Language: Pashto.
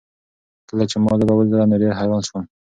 کله چې ما لوبه ولیده نو ډېر حیران شوم.